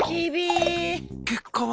結果は？